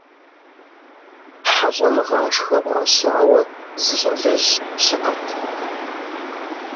ХьэщӀэмыгъашхэ фӀащауэ, зы щӀалэжь щыӀэт.